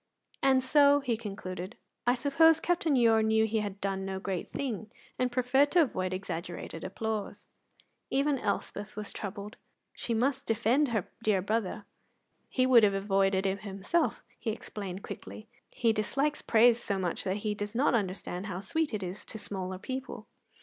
"And so," he concluded, "I suppose Captain Ure knew he had done no great thing, and preferred to avoid exaggerated applause." Even Elspeth was troubled; but she must defend her dear brother. "He would have avoided it himself," she explained quickly. "He dislikes praise so much that he does not understand how sweet it is to smaller people."